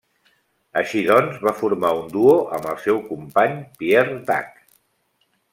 Així doncs va formar un duo amb el seu company, Pierre Dac.